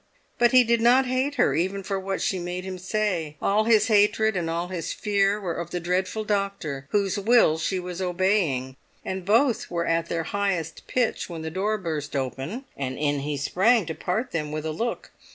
But he did not hate her even for what she made him say; all his hatred and all his fear were of the dreadful doctor whose will she was obeying; and both were at their highest pitch when the door burst open, and in he sprang to part them with a look.